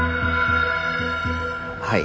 はい。